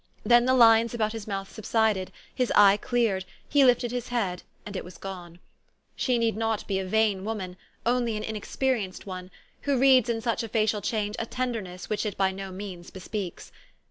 Then the lines about his mouth subsided, his eye cleared, he lifted his head, and it was gone. She need not be a vain woman, only an inexperienced one, who reads in such a facial change a tenderness which it by no means bespeaks.